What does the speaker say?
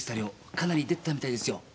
かなり出てたみたいですよ。